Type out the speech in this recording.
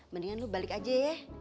mendingan lu balik aja ya